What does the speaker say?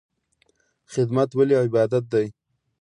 خدمت ولې عبادت دی؟